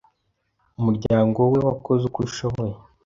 Umuryango we wakoze uko ushoboye